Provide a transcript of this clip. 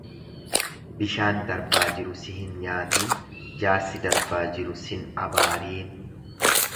Bishaan darbaa jiru si hin nyaatiin, jaarsi darbaa jiru sin abaariin.